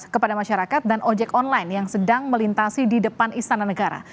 kepada masyarakat dan ojek online yang sedang melintasi di depan istana negara